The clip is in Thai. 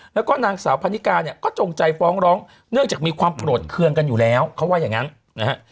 แล้วก็นางสาวพันนิกาเนี่ยก็จงใจฟ้องร้องเนื่องจากมีความโกรธเครื่องกันอยู่แล้วเขาว่าอย่างนั้นนะฮะ